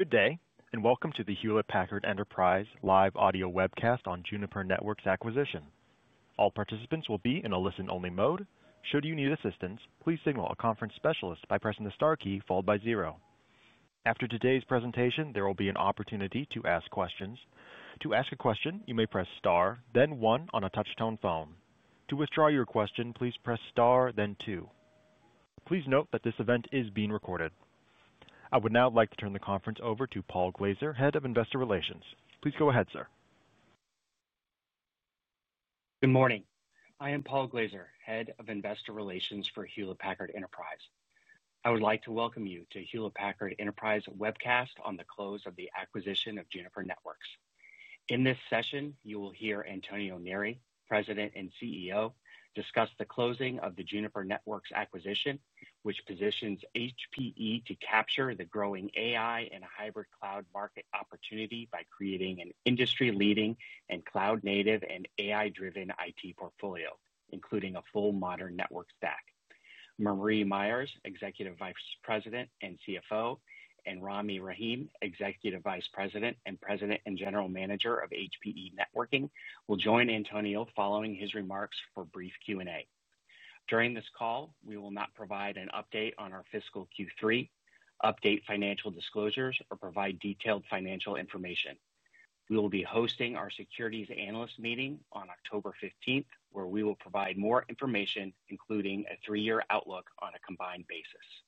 Good day, and welcome to the Hewlett Packard Enterprise live audio Webcast on Juniper Networks' acquisition. All participants will be in a listen-only mode. Should you need assistance, please signal a conference specialist by pressing the star key followed by zero. After today's presentation, there will be an opportunity to ask questions. To ask a question, you may press star, then one on a touch-tone phone. To withdraw your question, please press star, then two. Please note that this event is being recorded. I would now like to turn the conference over to Paul Glaser, Head of Investor Relations. Please go ahead, sir. Good morning. I am Paul Glaser, Head of Investor Relations for Hewlett Packard Enterprise. I would like to welcome you to Hewlett Packard Enterprise webcast on the close of the acquisition of Juniper Networks. In this session, you will hear Antonio Neri, President and CEO, discuss the closing of the Juniper Networks acquisition, which positions HPE to capture the growing AI and hybrid cloud market opportunity by creating an industry-leading and cloud-native and AI-driven IT portfolio, including a full modern network stack. Marie Myers, Executive Vice President and CFO, and Rami Rahim, Executive Vice President and President and General Manager of HPE Networking, will join Antonio following his remarks for brief Q&A. During this call, we will not provide an update on our fiscal Q3, update financial disclosures, or provide detailed financial information. We will be hosting our Securities Analyst meeting on October 15th, where we will provide more information, including a three-year outlook on a combined basis.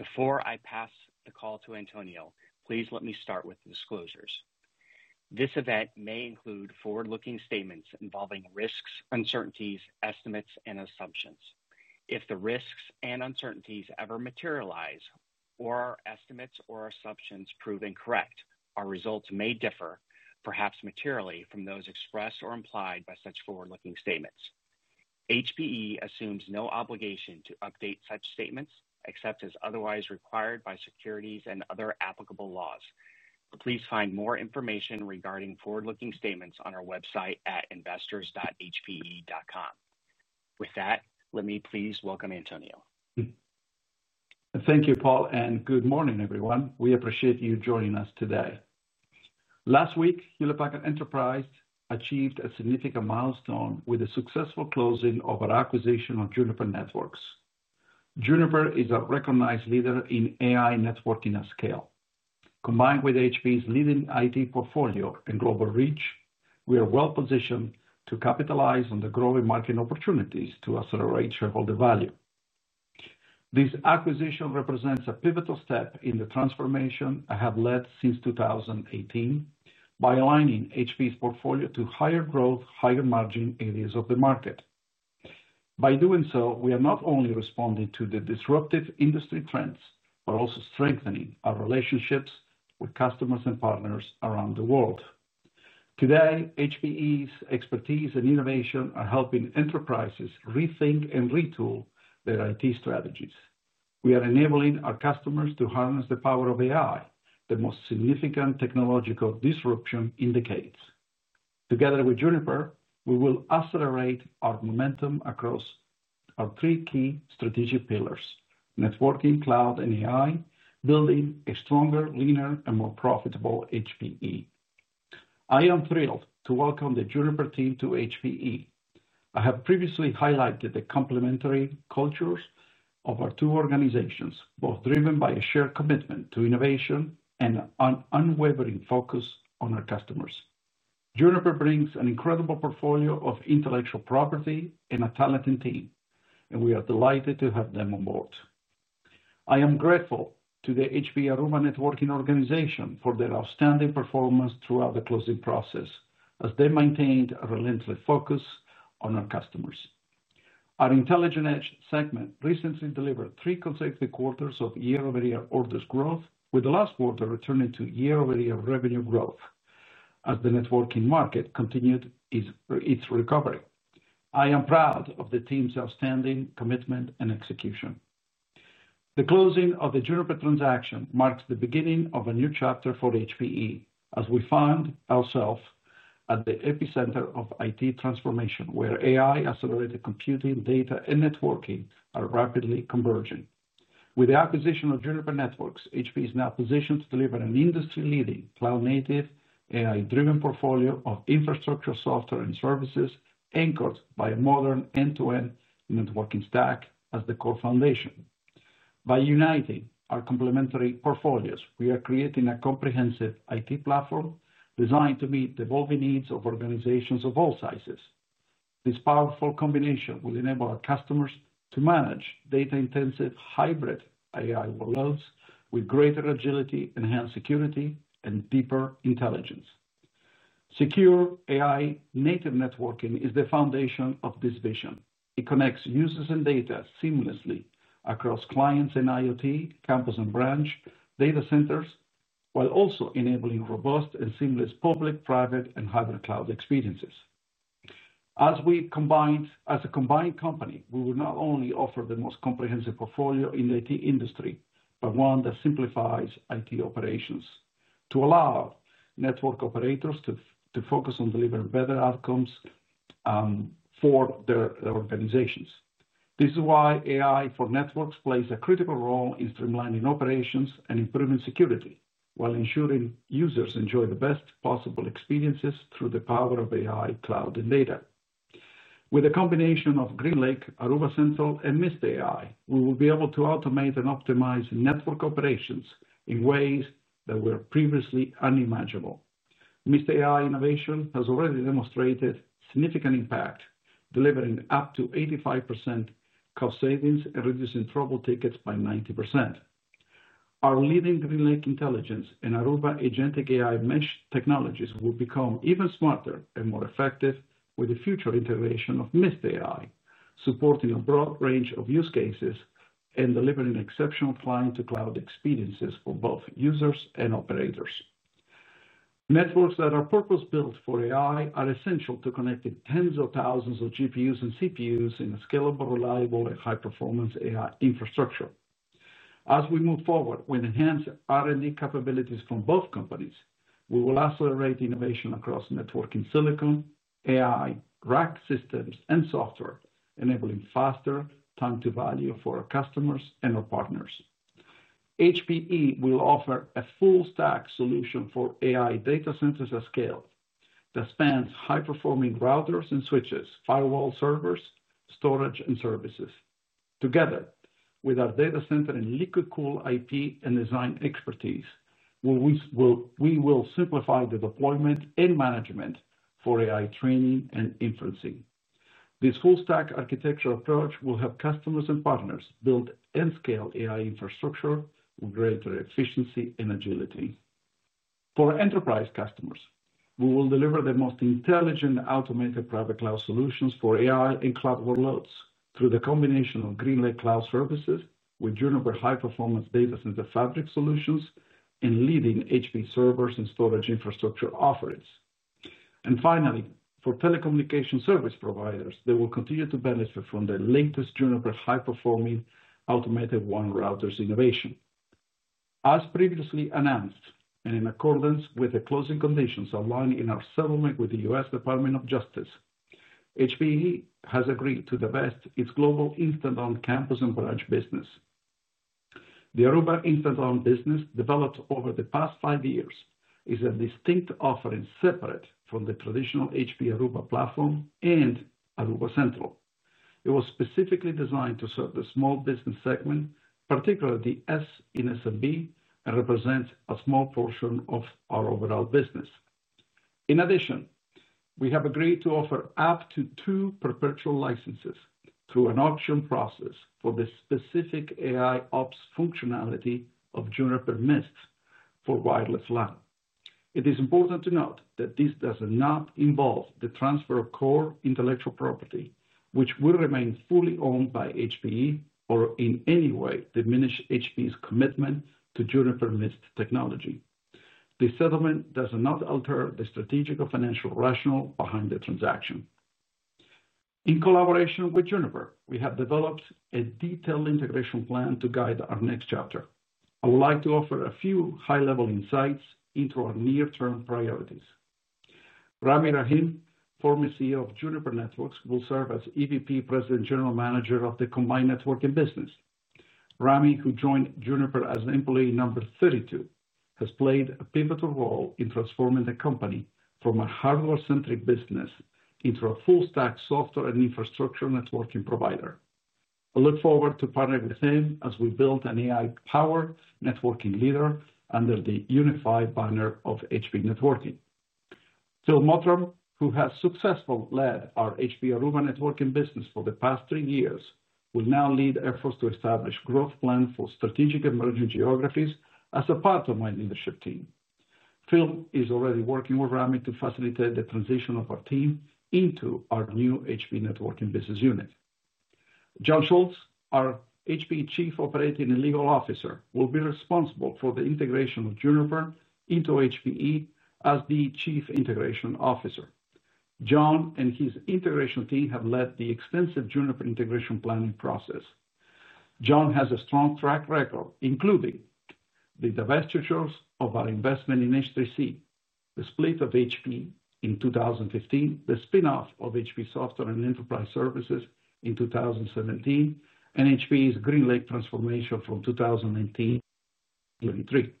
Before I pass the call to Antonio, please let me start with the disclosures. This event may include forward-looking statements involving risks, uncertainties, estimates, and assumptions. If the risks and uncertainties ever materialize or our estimates or assumptions prove incorrect, our results may differ, perhaps materially, from those expressed or implied by such forward-looking statements. HPE assumes no obligation to update such statements except as otherwise required by securities and other applicable laws. Please find more information regarding forward-looking statements on our website at investors.hpe.com. With that, let me please welcome Antonio. Thank you, Paul, and good morning, everyone. We appreciate you joining us today. Last week, Hewlett Packard Enterprise achieved a significant milestone with the successful closing of our acquisition of Juniper Networks. Juniper is a recognized leader in AI networking at scale. Combined with HPE's leading IT portfolio and global reach, we are well-positioned to capitalize on the growing market opportunities to accelerate shareholder value. This acquisition represents a pivotal step in the transformation I have led since 2018 by aligning HPE's portfolio to higher growth, higher margin areas of the market. By doing so, we are not only responding to the disruptive industry trends but also strengthening our relationships with customers and partners around the world. Today, HPE's expertise and innovation are helping enterprises rethink and retool their IT strategies. We are enabling our customers to harness the power of AI, the most significant technological disruption in decades. Together with Juniper, we will accelerate our momentum across our three key strategic pillars: networking, cloud, and AI, building a stronger, leaner, and more profitable HPE. I am thrilled to welcome the Juniper team to HPE. I have previously highlighted the complementary cultures of our two organizations, both driven by a shared commitment to innovation and an unwavering focus on our customers. Juniper brings an incredible portfolio of intellectual property and a talented team, and we are delighted to have them on board. I am grateful to the HPE Aruba Networking organization for their outstanding performance throughout the closing process, as they maintained a relentless focus on our customers. Our intelligent edge segment recently delivered three consecutive quarters of year-over-year orders growth, with the last quarter returning to year-over-year revenue growth as the networking market continued its recovery. I am proud of the team's outstanding commitment and execution. The closing of the Juniper transaction marks the beginning of a new chapter for HPE, as we find ourselves at the epicenter of IT transformation, where AI-accelerated computing, data, and networking are rapidly converging. With the acquisition of Juniper Networks, HPE is now positioned to deliver an industry-leading, cloud-native, AI-driven portfolio of infrastructure, software, and services anchored by a modern end-to-end networking stack as the core foundation. By uniting our complementary portfolios, we are creating a comprehensive IT platform designed to meet the evolving needs of organizations of all sizes. This powerful combination will enable our customers to manage data-intensive, hybrid AI workloads with greater agility, enhanced security, and deeper intelligence. Secure AI-native networking is the foundation of this vision. It connects users and data seamlessly across clients and IoT campus and branch data centers, while also enabling robust and seamless public, private, and hybrid cloud experiences. As a combined company, we will not only offer the most comprehensive portfolio in the IT industry but one that simplifies IT operations to allow network operators to focus on delivering better outcomes for their organizations. This is why AI for Networks plays a critical role in streamlining operations and improving security while ensuring users enjoy the best possible experiences through the power of AI, cloud, and data. With a combination of GreenLake, Aruba Central, and Mist AI, we will be able to automate and optimize network operations in ways that were previously unimaginable. Mist AI innovation has already demonstrated significant impact, delivering up to 85% cost savings and reducing trouble tickets by 90%. Our leading GreenLake intelligence and Aruba agentic AI mesh technologies will become even smarter and more effective with the future integration of Mist AI, supporting a broad range of use cases and delivering exceptional client-to-cloud experiences for both users and operators. Networks that are purpose-built for AI are essential to connecting tens of thousands of GPUs and CPUs in a scalable, reliable, and high-performance AI infrastructure. As we move forward with enhanced R&D capabilities from both companies, we will accelerate innovation across networking silicon, AI RAC systems, and software, enabling faster time-to-value for our customers and our partners. HPE will offer a full-stack solution for AI data centers at scale that spans high-performing routers and switches, firewall servers, storage, and services. Together with our data center and liquid-cooled IP and design expertise, we will simplify the deployment and management for AI training and inferencing. This full-stack architecture approach will help customers and partners build and scale AI infrastructure with greater efficiency and agility. For enterprise customers, we will deliver the most intelligent, automated private cloud solutions for AI and cloud workloads through the combination of GreenLake cloud services with Juniper high-performance data center fabric solutions and leading HPE servers and storage infrastructure offerings. Finally, for telecommunication service providers, they will continue to benefit from the latest Juniper high-performing automated WAN routers innovation. As previously announced and in accordance with the closing conditions outlined in our settlement with the U.S. Department of Justice, HPE has agreed to divest its global instant-on campus and branch business. The Aruba Instant-On business developed over the past five years is a distinct offering separate from the traditional HPE Aruba platform and Aruba Central. It was specifically designed to serve the small business segment, particularly SMB, and represents a small portion of our overall business. In addition, we have agreed to offer up to two perpetual licenses through an auction process for the specific AI ops functionality of Juniper Mist for wireless LAN. It is important to note that this does not involve the transfer of core intellectual property, which will remain fully owned by HPE or in any way diminish HPE's commitment to Juniper Mist technology. The settlement does not alter the strategic or financial rationale behind the transaction. In collaboration with Juniper, we have developed a detailed integration plan to guide our next chapter. I would like to offer a few high-level insights into our near-term priorities. Rami Rahim, former CEO of Juniper Networks, will serve as EVP, President, General Manager of the combined networking business. Rami, who joined Juniper as employee number 32, has played a pivotal role in transforming the company from a hardware-centric business into a full-stack software and infrastructure networking provider. I look forward to partnering with him as we build an AI-powered networking leader under the unified banner of HPE Networking. Phil Mottram, who has successfully led our HPE Aruba Networking business for the past three years, will now lead efforts to establish a growth plan for strategic emerging geographies as a part of my leadership team. Phil is already working with Rami to facilitate the transition of our team into our new HPE Networking Business Unit. John Schultz, our HPE Chief Operating and Legal Officer, will be responsible for the integration of Juniper into HPE as the Chief Integration Officer. John and his integration team have led the extensive Juniper integration planning process. John has a strong track record, including. The divestitures of our investment in H3C, the split of HPE in 2015, the spinoff of HPE Software and Enterprise Services in 2017, and HPE's GreenLake transformation from 2019 to 2023.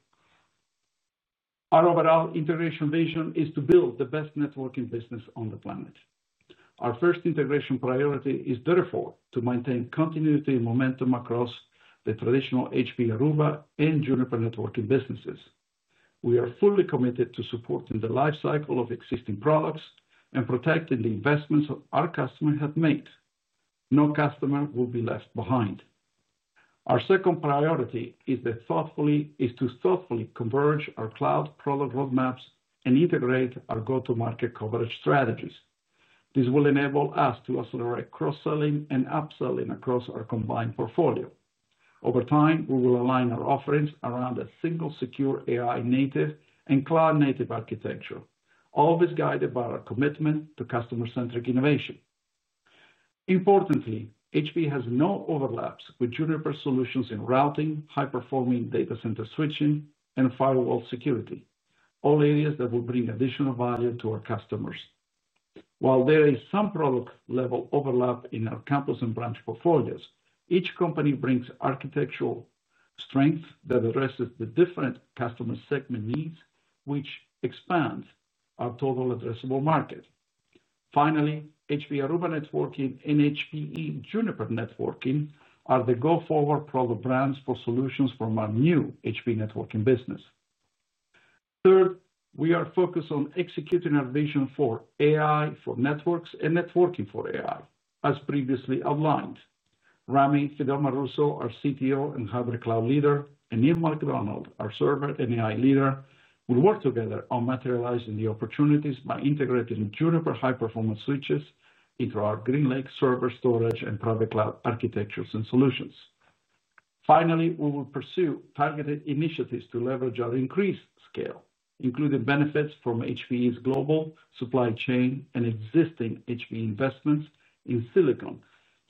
Our overall integration vision is to build the best networking business on the planet. Our first integration priority is, therefore, to maintain continuity and momentum across the traditional HPE Aruba and Juniper networking businesses. We are fully committed to supporting the lifecycle of existing products and protecting the investments our customers have made. No customer will be left behind. Our second priority is to thoughtfully converge our cloud product roadmaps and integrate our go-to-market coverage strategies. This will enable us to accelerate cross-selling and up-selling across our combined portfolio. Over time, we will align our offerings around a single secure AI-native and cloud-native architecture, always guided by our commitment to customer-centric innovation. Importantly, HPE has no overlaps with Juniper's solutions in routing, high-performing data center switching, and firewall security, all areas that will bring additional value to our customers. While there is some product-level overlap in our campus and branch portfolios, each company brings architectural strength that addresses the different customer segment needs, which expands our total addressable market. Finally, HPE Aruba Networking and HPE Juniper Networking are the go-forward product brands for solutions from our new HPE Networking Business. Third, we are focused on executing our vision for AI for networks and networking for AI, as previously outlined. Rami, Fidelma Russo, our CTO and Hybrid Cloud Leader, and Neil MacDonald, our Server and AI Leader, will work together on materializing the opportunities by integrating Juniper high-performance switches into our GreenLake server storage and private cloud architectures and solutions. Finally, we will pursue targeted initiatives to leverage our increased scale, including benefits from HPE's global supply chain and existing HPE investments in silicon,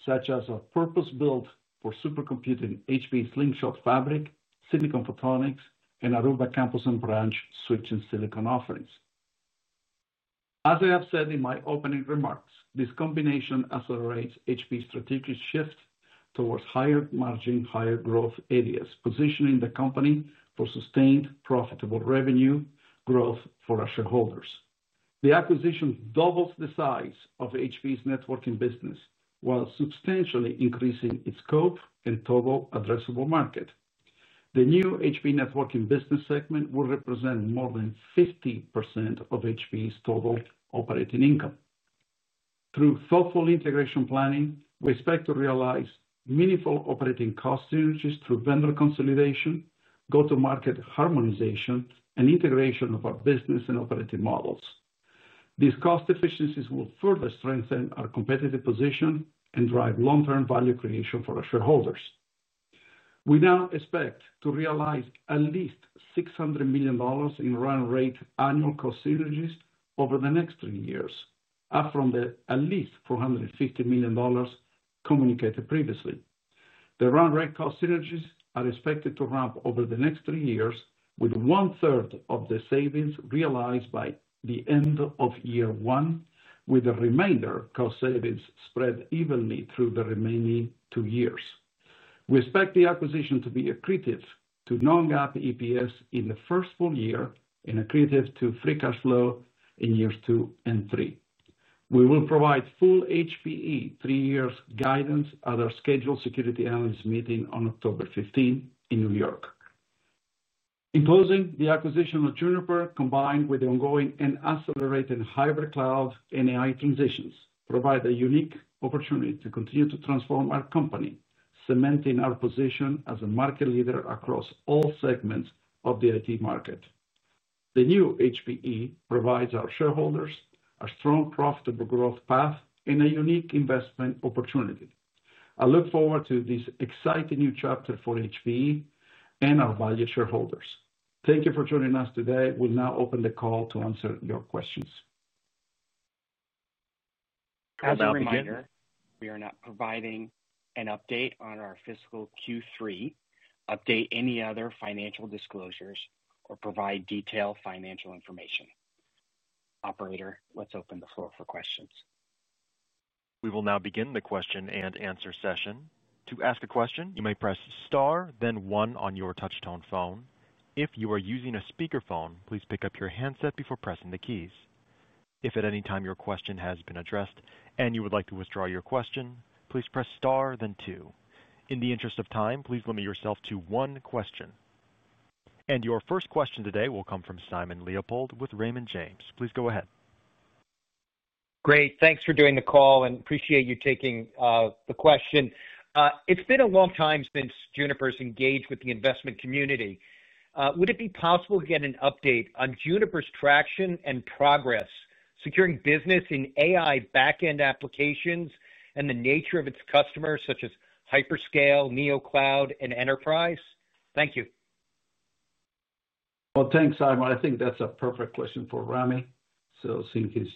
such as our purpose-built for supercomputing HPE Slingshot Fabric, Silicon Photonics, and Aruba campus and branch switching silicon offerings. As I have said in my opening remarks, this combination accelerates HPE's strategic shift towards higher margin, higher growth areas, positioning the company for sustained profitable revenue growth for our shareholders. The acquisition doubles the size of HPE's networking business while substantially increasing its scope and total addressable market. The new HPE Networking Business segment will represent more than 50% of HPE's total operating income. Through thoughtful integration planning, we expect to realize meaningful operating cost synergies through vendor consolidation, go-to-market harmonization, and integration of our business and operating models. These cost efficiencies will further strengthen our competitive position and drive long-term value creation for our shareholders. We now expect to realize at least $600 million in run-rate annual cost synergies over the next three years, up from the at least $450 million communicated previously. The run-rate cost synergies are expected to ramp over the next three years, with one-third of the savings realized by the end of Year One, with the remainder cost savings spread evenly through the remaining two years. We expect the acquisition to be accretive to non-GAAP EPS in the first full year and accretive to free cash flow in years two and three. We will provide full HPE three-year guidance at our scheduled security analyst meeting on October 15 in New York. In closing, the acquisition of Juniper, combined with the ongoing and accelerating hybrid cloud and AI transitions, provides a unique opportunity to continue to transform our company, cementing our position as a market leader across all segments of the IT market. The new HPE provides our shareholders a strong, profitable growth path and a unique investment opportunity. I look forward to this exciting new chapter for HPE and our valued shareholders. Thank you for joining us today. We'll now open the call to answer your questions. As a reminder, we are not providing an update on our fiscal Q3, update any other financial disclosures, or provide detailed financial information. Operator, let's open the floor for questions. We will now begin the question and answer session. To ask a question, you may press star, then one on your touch-tone phone. If you are using a speakerphone, please pick up your handset before pressing the keys. If at any time your question has been addressed and you would like to withdraw your question, please press star, then two. In the interest of time, please limit yourself to one question. Your first question today will come from Simon Leopold with Raymond James. Please go ahead. Great. Thanks for doing the call, and appreciate you taking the question. It's been a long time since Juniper has engaged with the investment community. Would it be possible to get an update on Juniper's traction and progress securing business in AI back-end applications and the nature of its customers, such as hyperscale, NeoCloud, and enterprise? Thank you. Thanks, Simon. I think that's a perfect question for Rami. Since he's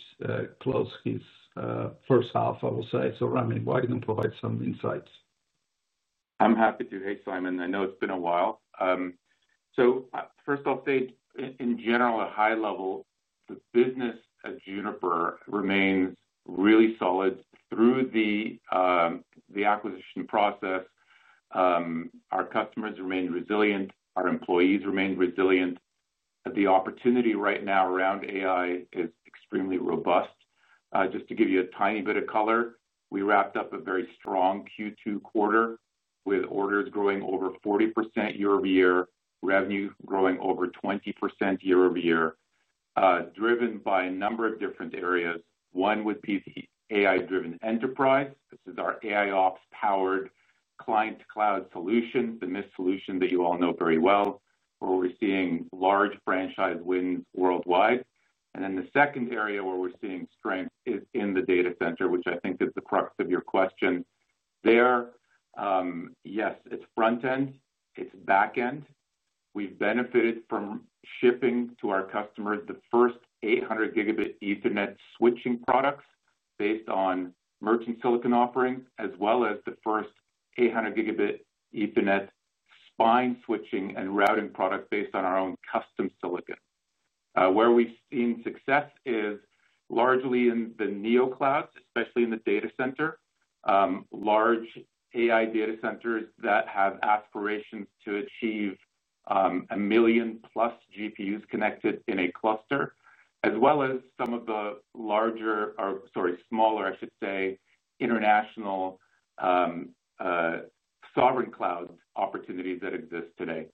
closed his first half, I will say, so Rami, why don't you provide some insights? I'm happy to, hey, Simon. I know it's been a while. First, I'll say, in general, at a high level, the business at Juniper remains really solid through the acquisition process. Our customers remained resilient. Our employees remained resilient. The opportunity right now around AI is extremely robust. Just to give you a tiny bit of color, we wrapped up a very strong Q2 quarter with orders growing over 40% year-over-year, revenue growing over 20% year-over-year, driven by a number of different areas. One would be the AI-driven enterprise. This is our AI ops-powered client cloud solution, the Mist solution that you all know very well, where we're seeing large franchise wins worldwide. The second area where we're seeing strength is in the data center, which I think is the crux of your question. There, yes, it's front-end. It's back-end. We've benefited from shipping to our customers the first 800-gigabit Ethernet switching products based on merchant silicon offerings, as well as the first 800-gigabit Ethernet spine switching and routing products based on our own custom silicon. Where we've seen success is largely in the NeoClouds, especially in the data center. Large AI data centers that have aspirations to achieve a million-plus GPUs connected in a cluster, as well as some of the smaller International sovereign cloud opportunities that exist today.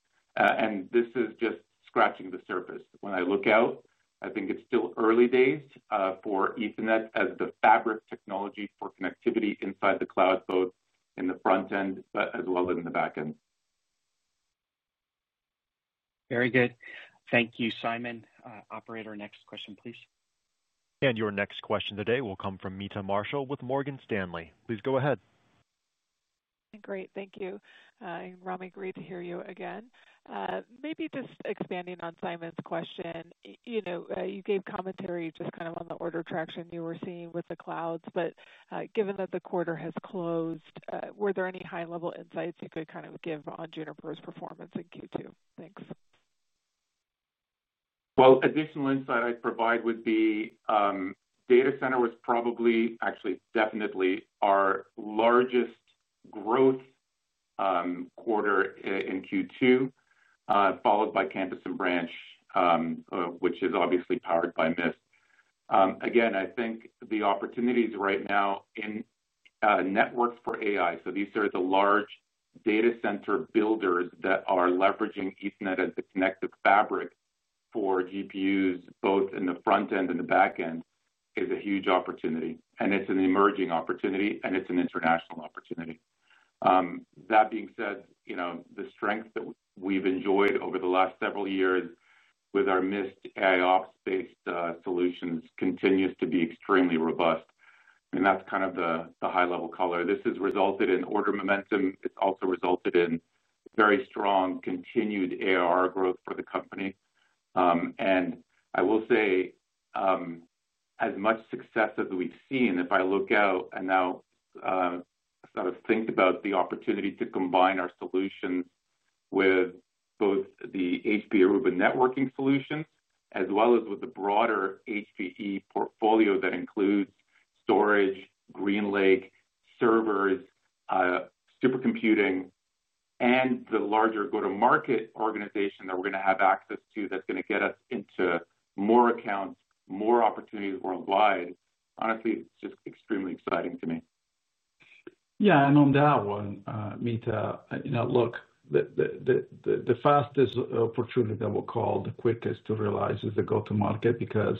This is just scratching the surface. When I look out, I think it's still early days for Ethernet as the fabric technology for connectivity inside the cloud, both in the front-end as well as in the back-end. Very good. Thank you, Simon. Operator, next question, please. Your next question today will come from Meta Marshall with Morgan Stanley. Please go ahead. Great. Thank you. Rami, great to hear you again. Maybe just expanding on Simon's question. You gave commentary just kind of on the order traction you were seeing with the clouds. Given that the quarter has closed, were there any high-level insights you could kind of give on Juniper's performance in Q2? Thanks. Additional insight I'd provide would be data center was probably, actually, definitely our largest growth quarter in Q2, followed by campus and branch, which is obviously powered by Mist. Again, I think the opportunities right now in networks for AI—these are the large data center builders that are leveraging Ethernet as the connective fabric for GPUs, both in the front-end and the back-end—is a huge opportunity. It is an emerging opportunity, and it is an international opportunity. That being said, the strength that we have enjoyed over the last several years with our Mist AI ops-based solutions continues to be extremely robust. That is kind of the high-level color. This has resulted in order momentum. It has also resulted in very strong continued AR growth for the company. I will say, as much success as we have seen, if I look out and now sort of think about the opportunity to combine our solutions with both the HPE Aruba networking solutions as well as with the broader HPE portfolio that includes storage, GreenLake, servers, supercomputing, and the larger go-to-market organization that we are going to have access to that is going to get us into more accounts, more opportunities worldwide, honestly, it is just extremely exciting to me. Yeah, and on that one, Meta, look. The fastest opportunity that we'll call the quickest to realize is the go-to-market because,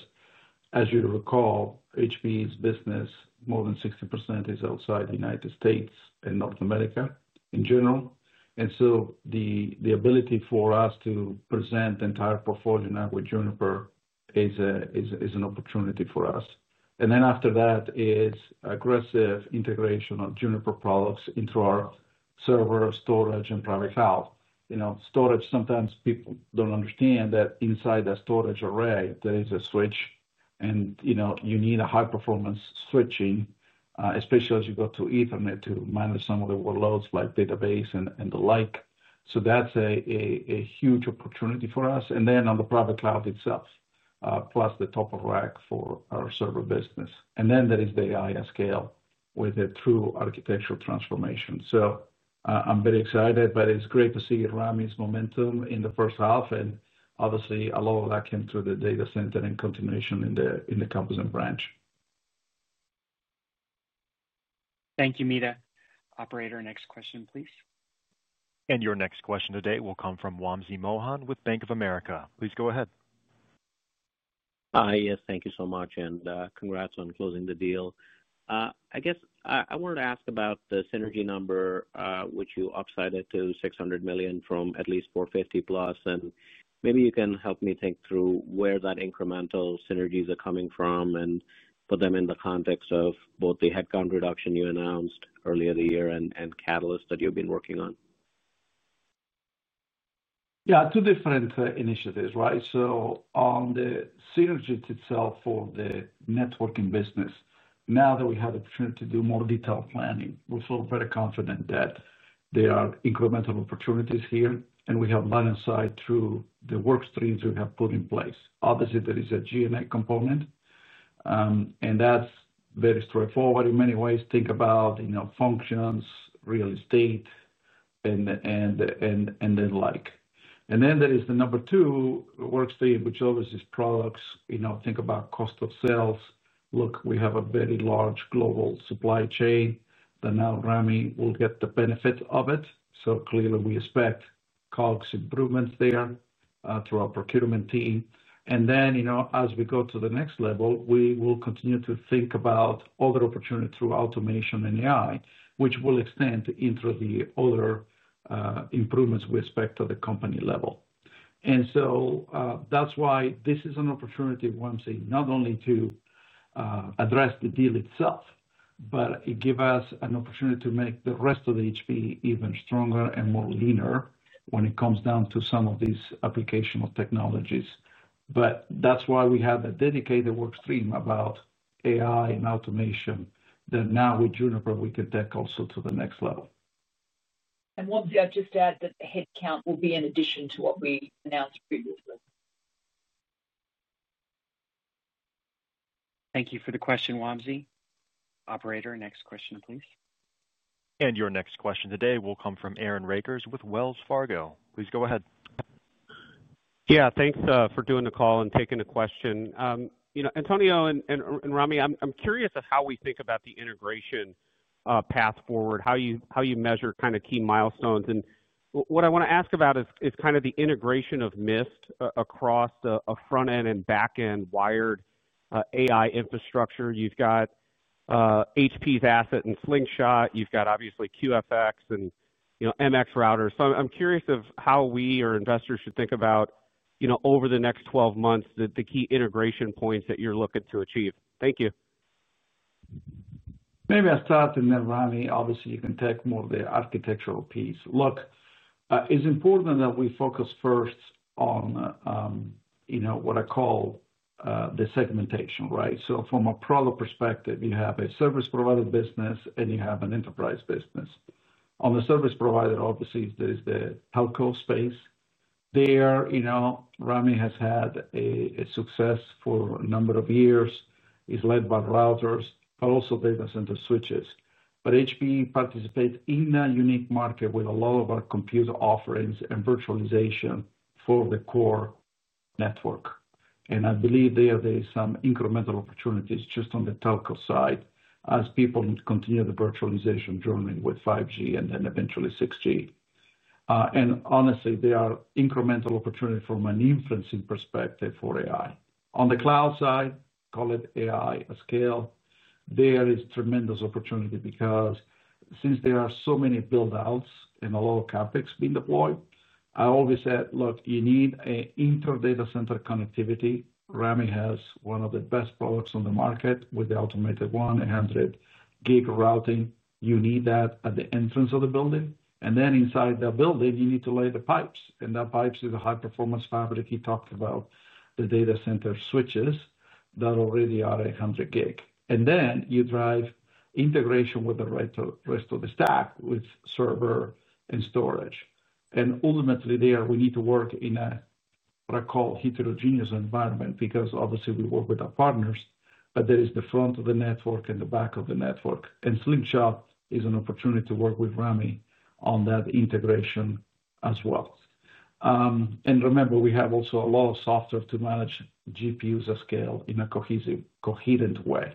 as you recall, HPE's business, more than 60%, is outside the U.S. and North America in general. The ability for us to present the entire portfolio now with Juniper is an opportunity for us. After that is aggressive integration of Juniper products into our server, storage, and private cloud. Storage, sometimes people do not understand that inside the storage array, there is a switch, and you need high-performance switching, especially as you go to Ethernet to manage some of the workloads like database and the like. That is a huge opportunity for us. On the private cloud itself, plus the top-of-rack for our server business. There is the AI at scale with a true architectural transformation. I'm very excited, but it's great to see Rami's momentum in the first half, and obviously, a lot of that came through the data center and continuation in the campus and branch. Thank you, Meta. Operator, next question, please. Your next question today will come from Wamsi Mohan with Bank of America. Please go ahead. Hi. Yes, thank you so much, and congrats on closing the deal. I guess I wanted to ask about the synergy number, which you upcited to $600 million from at least $450 million-plus. Maybe you can help me think through where that incremental synergies are coming from and put them in the context of both the headcount reduction you announced earlier in the year and catalysts that you've been working on. Yeah, two different initiatives, right? On the synergies itself for the networking business, now that we have the opportunity to do more detailed planning, we feel very confident that there are incremental opportunities here, and we have done insight through the workstreams we have put in place. Obviously, there is a G&A component. That is very straightforward in many ways. Think about functions, real estate, and the like. Then there is the number two workstream, which obviously is products. Think about cost of sales. Look, we have a very large global supply chain that now Rami will get the benefit of it. Clearly, we expect cost improvements there through our procurement team. As we go to the next level, we will continue to think about other opportunities through automation and AI, which will extend into the other improvements we expect at the company level. That is why this is an opportunity, Wamsi, not only to address the deal itself, but it gives us an opportunity to make the rest of HPE even stronger and more leaner when it comes down to some of these applicational technologies. That is why we have a dedicated workstream about AI and automation that now with Juniper, we can take also to the next level. Wamsi, I would just add that the headcount will be in addition to what we announced previously. Thank you for the question, Wamsi. Operator, next question, please. Your next question today will come from Aaron Rakers with Wells Fargo. Please go ahead. Yeah, thanks for doing the call and taking the question. Antonio and Rami, I am curious of how we think about the integration path forward, how you measure kind of key milestones. What I want to ask about is kind of the integration of Mist across a front-end and back-end wired AI infrastructure. You have HPE's asset and Slingshot. You have, obviously, QFX and MX Routers. I am curious how we or investors should think about, over the next 12 months, the key integration points that you are looking to achieve. Thank you. Maybe I will start and then Rami, obviously, you can take more of the architectural piece. Look, it is important that we focus first on what I call the segmentation, right? From a product perspective, you have a service provider business, and you have an enterprise business. On the service provider, obviously, there is the telco space. There, Rami has had success for a number of years. It is led by routers, but also data center switches. HPE participates in a unique market with a lot of our computer offerings and virtualization for the core network. I believe there are some incremental opportunities just on the telco side as people continue the virtualization journey with 5G and then eventually 6G. Honestly, there are incremental opportunities from an inferencing perspective for AI. On the cloud side, call it AI at scale, there is tremendous opportunity because since there are so many buildouts and a lot of CapEx being deployed, I always said, "Look, you need an inter-data center connectivity." Rami has one of the best products on the market with the automated 100-gig routing. You need that at the entrance of the building. Inside the building, you need to lay the pipes. That pipe is a high-performance fabric. He talked about the data center switches that already are 100-gig. You drive integration with the rest of the stack with server and storage. Ultimately, there, we need to work in what I call a heterogeneous environment because, obviously, we work with our partners, but there is the front of the network and the back of the network. Slingshot is an opportunity to work with Rami on that integration as well. Remember, we have also a lot of software to manage GPUs at scale in a coherent way.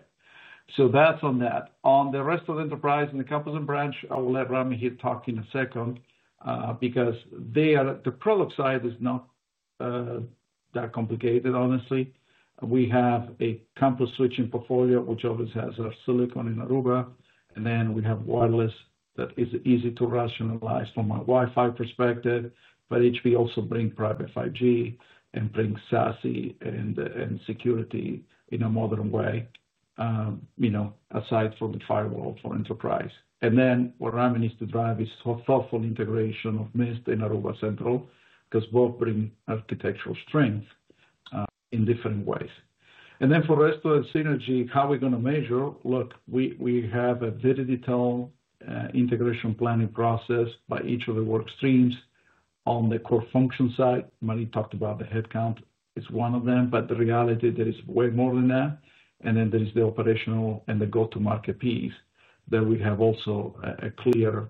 That is on that. On the rest of the enterprise and the campus and branch, I will let Rami here talk in a second because the product side is not that complicated, honestly. We have a campus switching portfolio, which obviously has our silicon and Aruba. Then we have wireless that is easy to rationalize from a Wi-Fi perspective. HPE also brings private 5G and brings SASE and security in a modern way. Aside from the firewall for enterprise. What Rami needs to drive is thoughtful integration of Mist and Aruba Central because both bring architectural strength in different ways. For the rest of the synergy, how are we going to measure? Look, we have a very detailed integration planning process by each of the workstreams on the core function side. Marie talked about the headcount. It's one of them, but the reality there is way more than that. There is the operational and the go-to-market piece that we have also a clear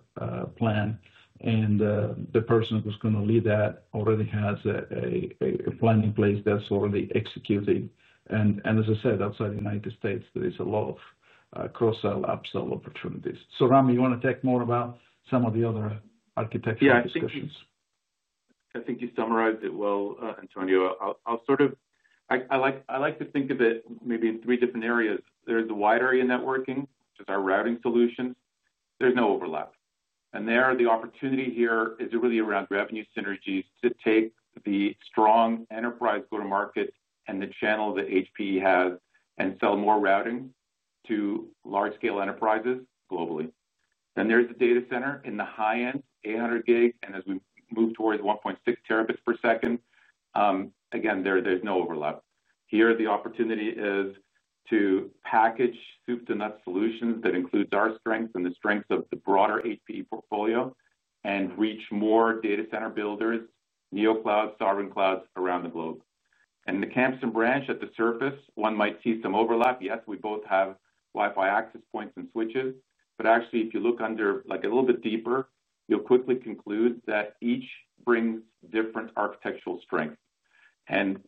plan. The person who's going to lead that already has a plan in place that's already executed. As I said, outside the United States, there is a lot of cross-sell upsell opportunities. Rami, you want to talk more about some of the other architectural discussions? Yeah, I think you summarized it well, Antonio. I like to think of it maybe in three different areas. There's the wider networking, which is our routing solutions. There's no overlap. The opportunity here is really around revenue synergies to take the strong enterprise go-to-market and the channel that HPE has and sell more routing to large-scale enterprises globally. There's the data center in the high-end, 800 gig, and as we move towards 1.6 terabits per second. Again, there's no overlap. Here, the opportunity is to package soup-to-nuts solutions that include our strengths and the strengths of the broader HPE portfolio and reach more data center builders, NeoCloud, Sovereign Clouds around the globe. The campus and branch at the surface, one might see some overlap. Yes, we both have Wi-Fi access points and switches. Actually, if you look under a little bit deeper, you'll quickly conclude that each brings different architectural strengths.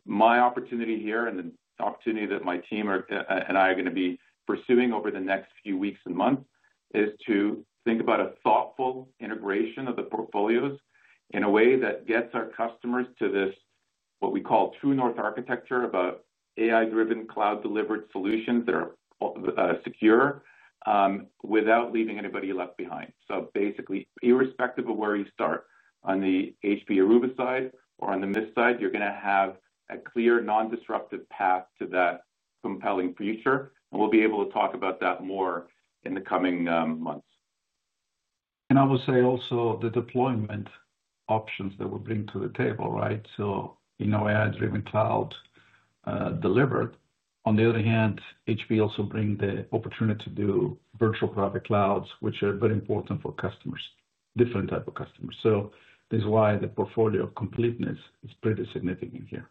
My opportunity here and the opportunity that my team and I are going to be pursuing over the next few weeks and months is to think about a thoughtful integration of the portfolios in a way that gets our customers to this, what we call true north architecture about AI-driven, cloud-delivered solutions that are secure, without leaving anybody left behind. Basically, irrespective of where you start, on the HPE Aruba side or on the Mist side, you're going to have a clear, non-disruptive path to that compelling future. We'll be able to talk about that more in the coming months. I will say also the deployment options that we bring to the table, right? In our AI-driven cloud. Delivered. On the other hand, HPE also brings the opportunity to do virtual private clouds, which are very important for customers, different types of customers. This is why the portfolio completeness is pretty significant here.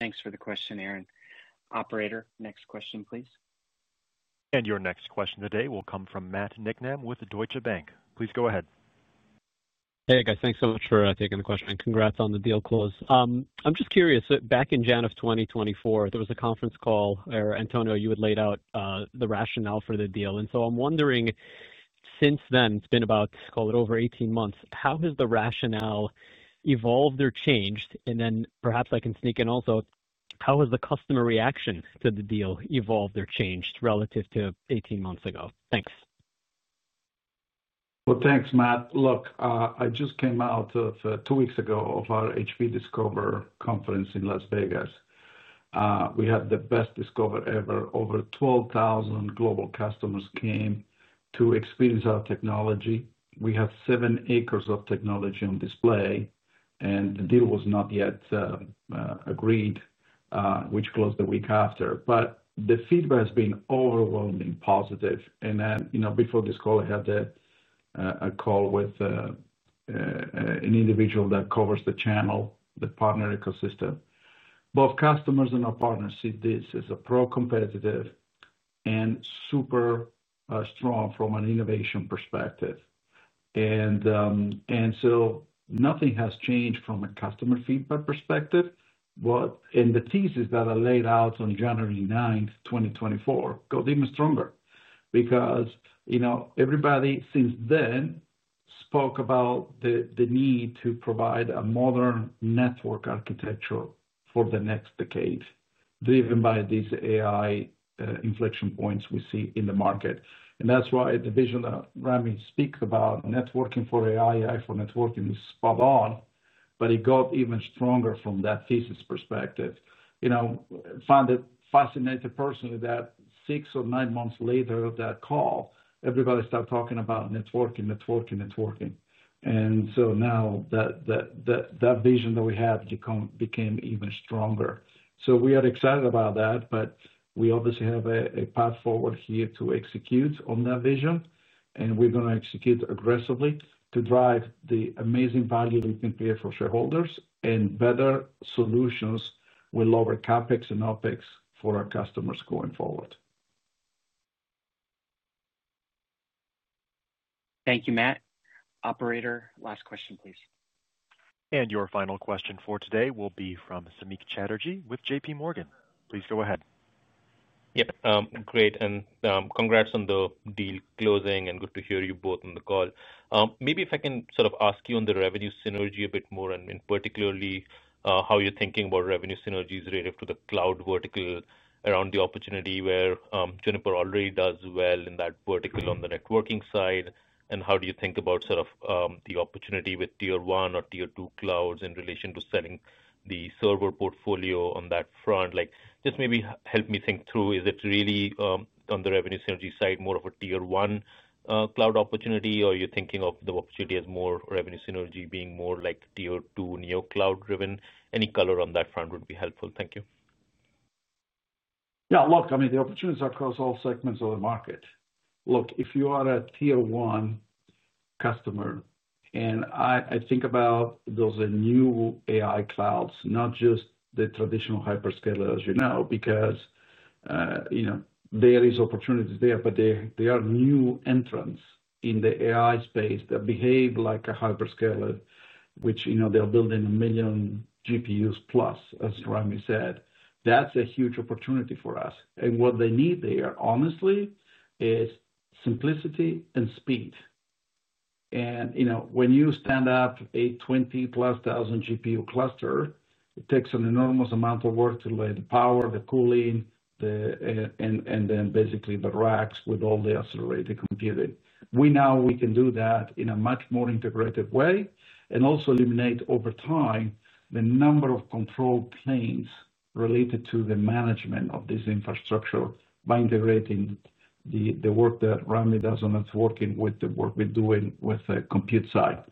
Thanks for the question, Aaron. Operator, next question, please. Your next question today will come from Matt Niknam with Deutsche Bank. Please go ahead. Hey, guys, thanks so much for taking the question. Congrats on the deal close. I'm just curious, back in January of 2024, there was a conference call where Antonio, you had laid out the rationale for the deal. I'm wondering, since then, it's been about, call it over 18 months, how has the rationale evolved or changed? Perhaps I can sneak in also, how has the customer reaction to the deal evolved or changed relative to 18 months ago? Thanks. Thanks, Matt. I just came out two weeks ago of our HPE Discover conference in Las Vegas. We had the best Discover ever. Over 12,000 global customers came to experience our technology. We have seven acres of technology on display, and the deal was not yet agreed, which closed the week after. The feedback has been overwhelmingly positive. Before this call, I had a call with an individual that covers the channel, the partner ecosystem. Both customers and our partners see this as pro-competitive and super strong from an innovation perspective. Nothing has changed from a customer feedback perspective. The thesis that I laid out on January 9, 2024, got even stronger because everybody since then spoke about the need to provide a modern network architecture for the next decade, driven by these AI inflection points we see in the market. That is why the vision that Rami speaks about, networking for AI, AI for networking, is spot on, but it got even stronger from that thesis perspective. I found it fascinating personally that six or nine months later of that call, everybody started talking about networking, networking, networking. Now that vision that we had became even stronger. We are excited about that, but we obviously have a path forward here to execute on that vision, and we are going to execute aggressively to drive the amazing value we can create for shareholders and better solutions with lower CapEx and OpEx for our customers going forward. Thank you, Matt. Operator, last question, please. Your final question for today will be from Samik Chatterjee with JPMorgan Chase & Co. Please go ahead. Yep. Great. Congrats on the deal closing, and good to hear you both on the call. Maybe if I can sort of ask you on the revenue synergy a bit more, and particularly how you're thinking about revenue synergies relative to the cloud vertical around the opportunity where Juniper already does well in that vertical on the networking side. How do you think about sort of the opportunity with tier one or tier two clouds in relation to selling the server portfolio on that front? Just maybe help me think through, is it really on the revenue synergy side more of a Tier 1 Cloud opportunity, or are you thinking of the opportunity as more revenue synergy being more like Tier2/NeoCloud-driven? Any color on that front would be helpful. Thank you. Yeah, look, I mean, the opportunities across all segments of the market. Look, if you are a Tier 1. Customer, and I think about those new AI Clouds, not just the traditional hyperscaler, as you know, because there are opportunities there, but they are new entrants in the AI space that behave like a hyperscaler, which they're building a million GPUs plus, as Rami said. That's a huge opportunity for us. What they need there, honestly, is simplicity and speed. When you stand up a 20-plus thousand GPU cluster, it takes an enormous amount of work to lay the power, the cooling, and then basically the racks with all the accelerated computing. We now can do that in a much more integrated way and also eliminate over time the number of control planes related to the management of this infrastructure by integrating the work that Rami does on networking with the work we're doing with the compute side.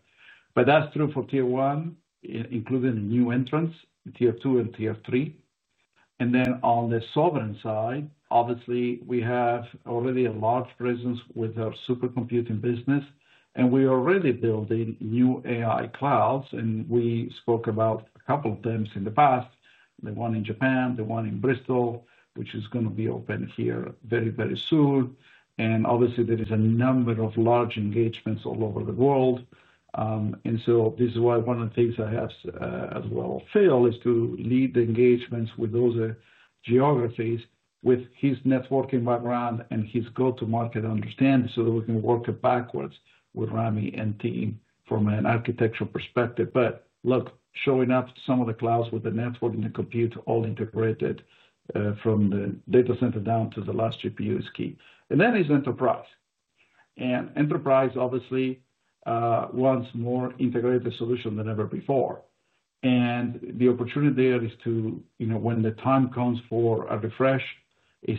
That is true for Tier 1, including new entrants, Tier 2 and Tier 3. On the sovereign side, obviously, we already have a large presence with our supercomputing business, and we are already building new AI Clouds. We spoke about a couple of them in the past, the one in Japan, the one in Bristol, which is going to be open here very, very soon. Obviously, there are a number of large engagements all over the world. This is why one of the things I have as well failed is to lead the engagements with those geographies with his networking background and his go-to-market understanding so that we can work it backwards with Rami and team from an architectural perspective. Look, showing up some of the Clouds with the network and the compute all integrated from the data center down to the last GPU is key. There is enterprise. Enterprise, obviously, wants more integrated solutions than ever before. The opportunity there is to, when the time comes for a refresh,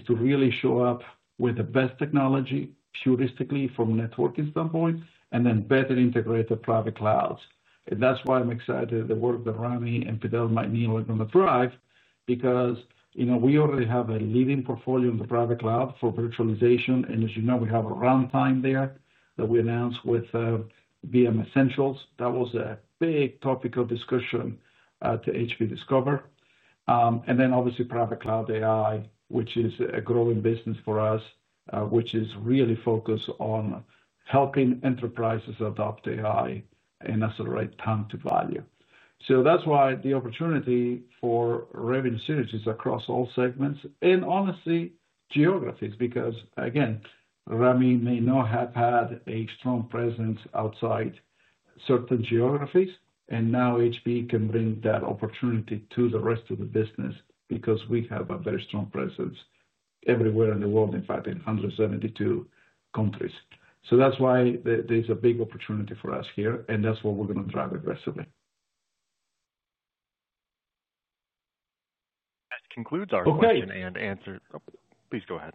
really show up with the best technology puristically from a networking standpoint and then better integrated private clouds. That is why I am excited at the work that Rami and Fidel and my team are going to drive because we already have a leading portfolio in the private cloud for virtualization. As you know, we have a runtime there that we announced with VM Essentials. That was a big topical discussion at HPE Discover. Private Cloud AI, which is a growing business for us, is really focused on helping enterprises adopt AI and accelerate time to value. That is why the opportunity for revenue synergies exists across all segments and, honestly, geographies, because again, Rami may not have had a strong presence outside certain geographies, and now HPE can bring that opportunity to the rest of the business because we have a very strong presence everywhere in the world, in fact, in 172 countries. That is why there is a big opportunity for us here, and that is what we are going to drive aggressively. That concludes our question and answer. Please go ahead.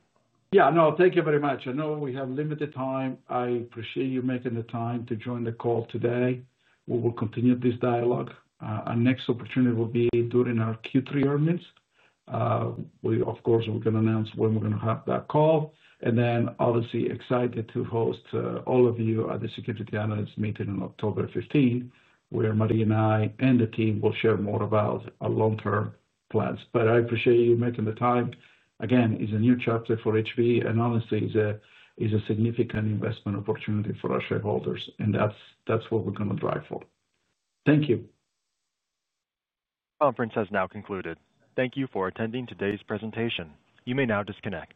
Yeah, no, thank you very much. I know we have limited time. I appreciate you making the time to join the call today. We will continue this dialogue. Our next opportunity will be during our Q3 earnings. Of course, we're going to announce when we're going to have that call. Obviously excited to host all of you at the Security Analyst Meeting on October 15, where Marie and I and the team will share more about our long-term plans. I appreciate you making the time. Again, it's a new chapter for HPE, and honestly, it's a significant investment opportunity for our shareholders, and that's what we're going to drive for. Thank you. Conference has now concluded. Thank you for attending today's presentation. You may now disconnect.